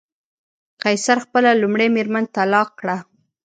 قیصر خپله لومړۍ مېرمن طلاق کړه.